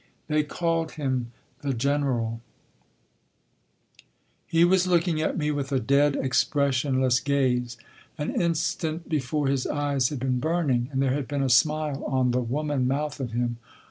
They called him The General. "He was looking at me with a dead, expressionless gaze. An instant before his eyes had been burning, and there had been a smile on the woman mouth of him.